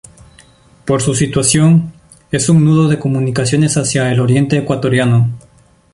Por su situación, es un nudo de comunicaciones hacia el oriente ecuatoriano.